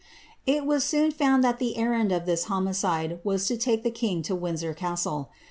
it was soon found that the errand of this homicide was to take the king to Windsor castle.